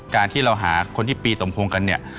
การที่เราหาคนที่ปีสมพงษ์กันเนี่ย